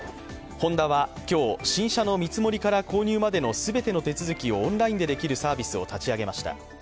ホンダは、今日、新車の見積もりから購入までの全ての手続きをオンラインでできるサービスを立ち上げました。